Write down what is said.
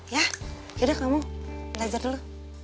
ya ya udah kamu belajar dulu